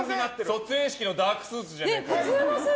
卒園式のダークスーツじゃねえかよ。